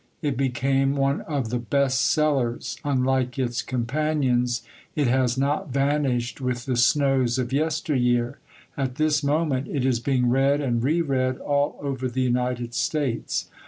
It became one of the "best sellers"; unlike its companions, it has not vanished with the snows of yesteryear. At this moment it is being read and reread all over the United States.